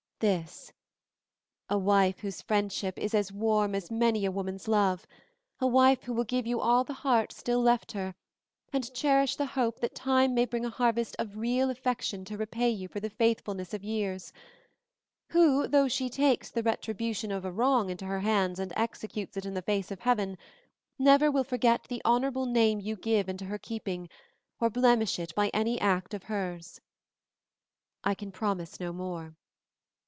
This a wife whose friendship is as warm as many a woman's love; a wife who will give you all the heart still left her, and cherish the hope that time may bring a harvest of real affection to repay you for the faithfulness of years; who, though she takes the retribution of a wrong into her hands and executes it in the face of heaven, never will forget the honorable name you give into her keeping or blemish it by any act of hers. I can promise no more.